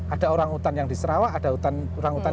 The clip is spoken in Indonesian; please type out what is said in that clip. ada orangutan yang di sarawak ada orangutan